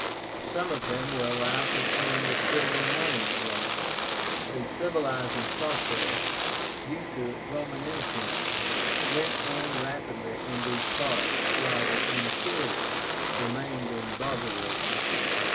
Some of them were allowed to coin the silver money of Rome. The civilizing process, due to Roman influence, went on rapidly in these parts, while the interior remained in barbarism.